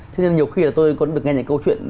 cho nên nhiều khi là tôi có được nghe những câu chuyện